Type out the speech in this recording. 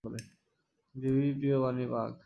দেবীর প্রিয় প্রাণী বাঘ।